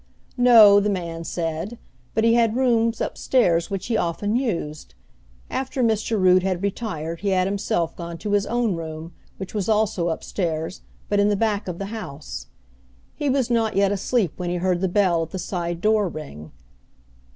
No, the man said, but he had rooms upstairs which he often used. After Mr. Rood had retired he had himself gone to his own room, which was also up stairs, but in the back of the house. He was not yet asleep when he heard the bell at the side door ring.